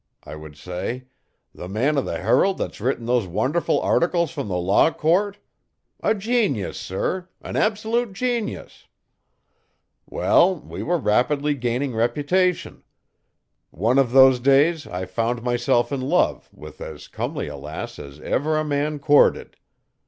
I would say, "the man o' the Herald that's written those wonderful articles from the law court? A genius, sir! an absolute genius!" Well, we were rapidly gaining reputation. One of those days I found myself in love with as comely a lass as ever a man courted.